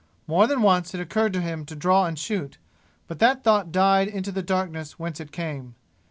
More than once it occurred to him to draw and shoot, but that thought died into the darkness whence it came.